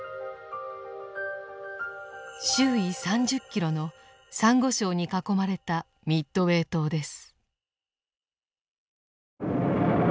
周囲３０キロのサンゴ礁に囲まれたミッドウェー島です。